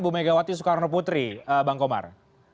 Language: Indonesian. bumegawati soekarno putri bang komar